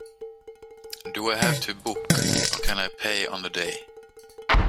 Do I have to book, or can I pay on the day?